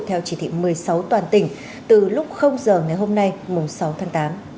theo chỉ thị một mươi sáu toàn tỉnh từ lúc giờ ngày hôm nay mùng sáu tháng tám